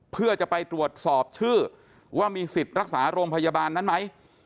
เพื่อจะไปตรวจสอบชื่อว่ามีสิทธิ์รักษาโรงพยาบาลนั้นไหม